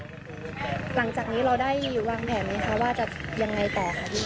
หลังจากนี้เราได้วางแผนไหมคะว่าจะยังไงต่อค่ะพี่